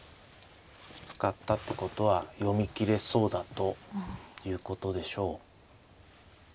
使ったってことは読み切れそうだということでしょう。